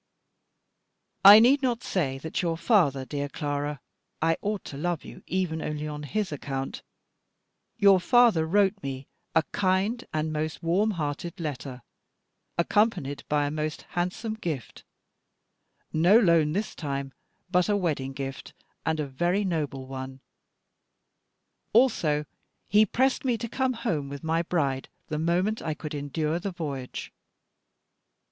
I need not say that your father dear Clara, I ought to love you, if only on his account! your father wrote me a kind and most warm hearted letter, accompanied by a most handsome gift no loan this time, but a wedding gift, and a very noble one. Also he pressed me to come home with my bride the moment I could endure the voyage.